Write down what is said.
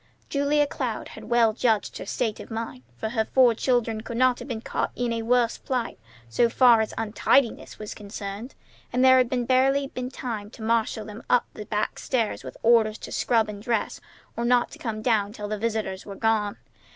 Julia Cloud had well judged her state of mind, for her four children could not have been caught in a worse plight so far as untidiness was concerned, and there had barely been time to marshal them all up the back stairs with orders to scrub and dress or not to come down till the visitors were gone.